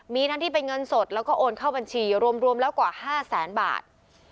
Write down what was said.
มีทั้งที่เป็นเงินสดแล้วก็โอนเข้าบัญชีรวมแล้วกว่า๕แสนบาท